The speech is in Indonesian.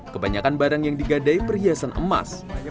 kebanyakan barang yang digadai perhiasan emas